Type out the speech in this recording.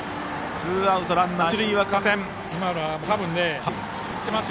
ツーアウトランナー、三塁です。